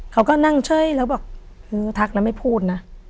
เขาก็นั่งเช่ยว่าเอ้ยเล่าก็พูดนะ